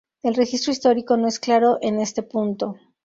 El registro histórico no es claro en este punto.